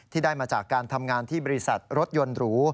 ได้มาจากการทำงานที่บริษัทรถยนต์หรู